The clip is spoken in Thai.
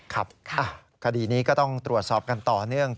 ครับคดีนี้ก็ต้องตรวจสอบกันต่อเนื่อง